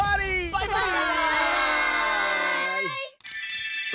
バイバーイ！